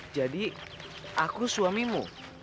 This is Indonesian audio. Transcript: jadi aku suamimu